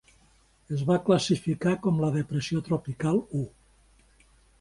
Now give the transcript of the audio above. Es va classificar com la depressió tropical u.